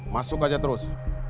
masuk aja terus